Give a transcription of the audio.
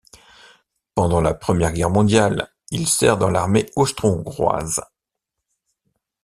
Pendant la première Guerre mondiale, il sert dans l'Armée austro-hongroise.